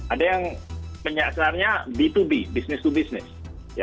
ada yang menyasarnya b dua b business to business